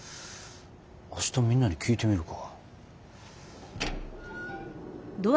明日みんなに聞いてみるか。